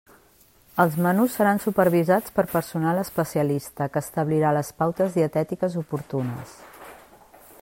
Els menús seran supervisats per personal especialista que establirà les pautes dietètiques oportunes.